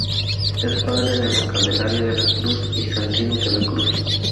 Es padre de Candelaria de la Cruz y Santino de la Cruz.